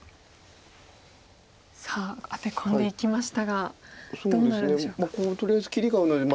さあアテ込んでいきましたがどうなるんでしょうか。